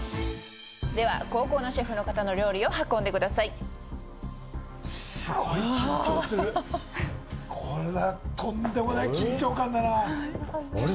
では後攻のシェフの方の料理を運んでくださいすごい緊張するこれはとんでもない緊張感だなあれ？